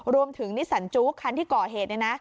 นิสสันจุ๊กคันที่ก่อเหตุ